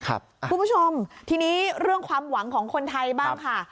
คุณผู้ชมทีนี้เรื่องความหวังของคนไทยบ้างค่ะ